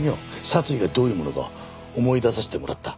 殺意がどういうものか思い出させてもらった。